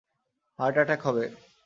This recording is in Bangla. হার্ট এটাক হবে।